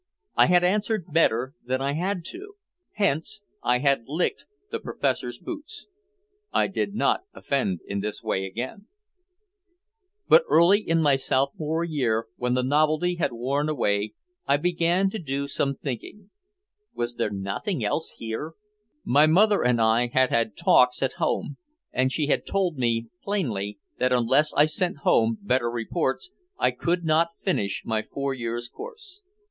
I had answered better than I had to. Hence I had licked the professor's boots. I did not offend in this way again. But early in my sophomore year, when the novelty had worn away, I began to do some thinking. Was there nothing else here? My mother and I had had talks at home, and she had told me plainly that unless I sent home better reports I could not finish my four years' course.